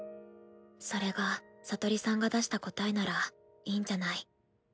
それが聡里さんが出した答えならいいんじゃない。